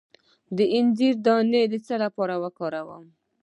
د انځر دانه د څه لپاره وکاروم؟